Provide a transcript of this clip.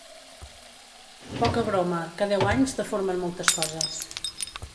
Poca broma, que deu anys deformen moltes coses.